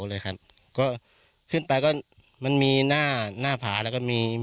มันมีหน้าหน้าผาแล้วก็มีมีถ้ำคนหน้าคุณต่างหากอากน้ำเถอะ